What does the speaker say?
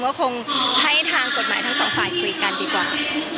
ก็คงให้ทางกฎหมายทั้งสองฝ่ายคุยกันดีกว่า